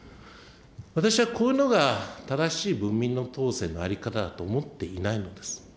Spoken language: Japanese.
私はこういうのが正しい文民の統制の在り方だと思っていないのです。